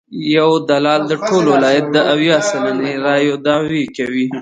یو دلال د ټول ولایت د اویا سلنې رایو دعوی کوي.